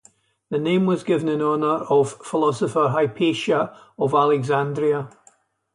The name was given in honour of philosopher Hypatia of Alexandria.